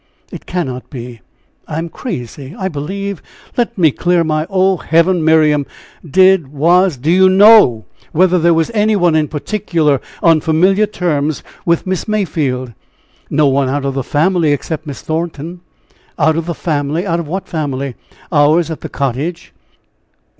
"It cannot be! I am crazy, I believe. Let me clear my oh, Heaven! Miriam! did was do you know whether there was any one in particular on familiar terms with Miss Mayfield?" "No one out of the family, except Miss Thornton." "'Out of the family' out of what family?" "Ours, at the cottage."